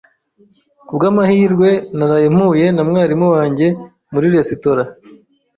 Ku bw'amahirwe, naraye mpuye na mwarimu wanjye muri resitora